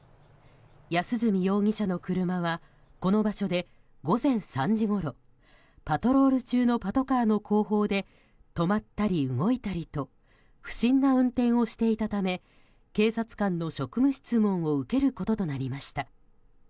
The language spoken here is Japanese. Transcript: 安栖容疑者の車はこの場所で午前３時ごろパトロール中のパトカーの後方で止まったり動いたりと不審な運転をしていたため警察官の職務質問を受けることとなりました。